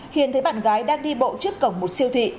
khiến thấy bạn gái đang đi bộ trước cổng một siêu thị